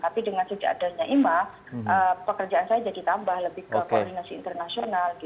tapi dengan kejadiannya mbak pekerjaan saya jadi tambah lebih ke koordinasi internasional